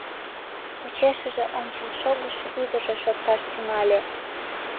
Почешыже ончылшогышо ӱдыржӧ шорташ тӱҥале.